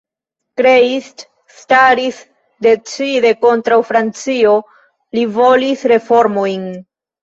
Kleist staris decide kontraŭ Francio, li volis reformojn.